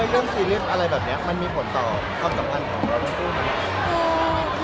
เฮ้ยเรื่องซีรีสอะไรแบบนี้มันมีผลต่อความสำคัญของเราทั้งผู้ไหม